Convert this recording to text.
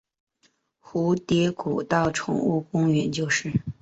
蝴蝶谷道宠物公园就是。